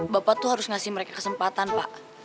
bapak tuh harus ngasih mereka kesempatan pak